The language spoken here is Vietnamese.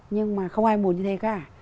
nhưng mà không ai muốn như thế cả